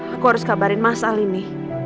aku harus kabarin mas al ini